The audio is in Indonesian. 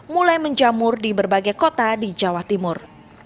mulai menjamur di berbagai kota di jawa timur